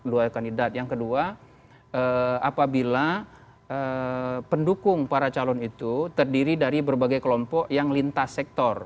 dua kandidat yang kedua apabila pendukung para calon itu terdiri dari berbagai kelompok yang lintas sektor